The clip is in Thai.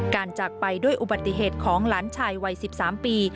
จากไปด้วยอุบัติเหตุของหลานชายวัย๑๓ปี